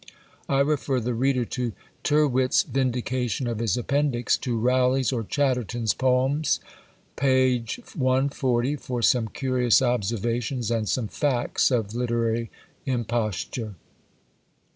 I refer the reader to Tyrwhitt's Vindication of his Appendix to Rowley's or Chatterton's Poems, p. 140, for some curious observations, and some facts of literary imposture.